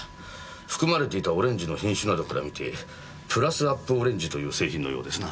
含まれていたオレンジの品種などから見て「プラス・アップ・オレンジ」という製品のようですな。